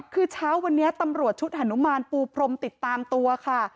คือเช้าวันนี้ตำรวจชุดฮานุมานปูพรมติดตามตัวค่ะ